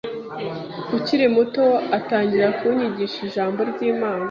ukiri muto atangira kunyigisha ijambo ry’Imana